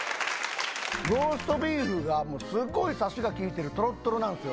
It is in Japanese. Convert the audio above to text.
ローストビーフがすごいサシが効いてるトロットロなんですよ。